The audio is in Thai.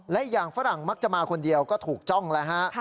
และอีกอย่างฝรั่งมักจะมาคนเดียวก็ถูกจ้องแล้วฮะ